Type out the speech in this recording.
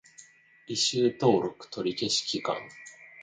履修登録取り消し期間